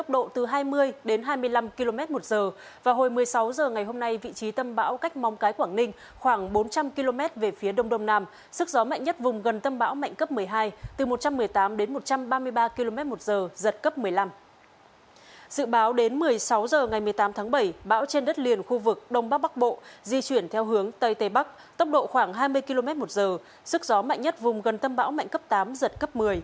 dự báo đến một mươi sáu h ngày một mươi tám tháng bảy bão trên đất liền khu vực đông bắc bắc bộ di chuyển theo hướng tây tây bắc tốc độ khoảng hai mươi km một giờ sức gió mạnh nhất vùng gần tâm bão mạnh cấp tám giật cấp một mươi